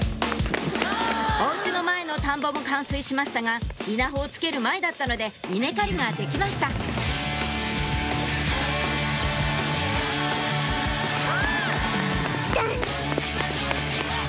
お家の前の田んぼも冠水しましたが稲穂をつける前だったので稲刈りができましたでんき。